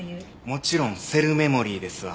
もちろんセルメモリーですわ。